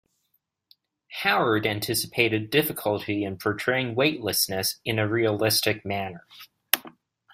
Howard anticipated difficulty in portraying weightlessness in a realistic manner.